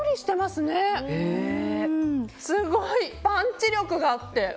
すごいパンチ力があって。